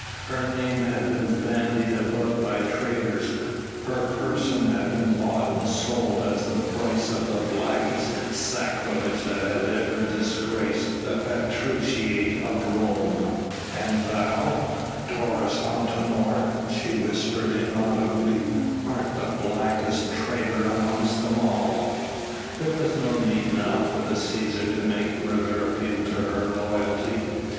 Her name had been bandied about by traitors, her person been bought and sold as the price of the blackest sacrilege that had ever disgraced the patriciate of Rome. "And thou, Taurus Antinor," she whispered inaudibly, "art the blackest traitor amongst them all." There was no need now for the Cæsar to make further appeal to her loyalty.